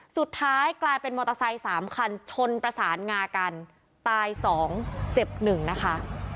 สุดท้ายกลายเป็นมอเตอร์ไซค์สามคันชนประสานงากันตายสองเจ็บหนึ่งนะคะ